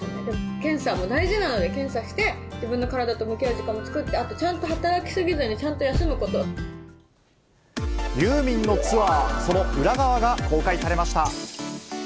検査も大事なので、検査して、自分の体と向き合う時間も作って、あと、ちゃんと働き過ぎずに、ユーミンのツアー、その裏側が公開されました。